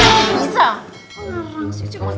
ngarang sih cuman